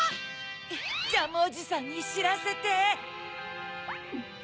ジャムおじさんにしらせて。